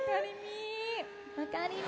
分かりみ。